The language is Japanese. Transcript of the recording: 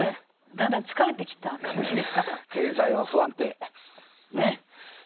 「だんだん疲れてきた感じですか？」